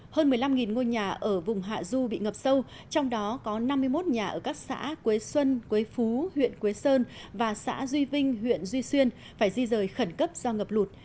hơn một mươi năm ngôi nhà ở vùng hạ du bị ngập sâu trong đó có năm mươi một nhà ở các xã quế xuân quế phú huyện quế sơn và xã duy vinh huyện duy xuyên phải di rời khẩn cấp do ngập lụt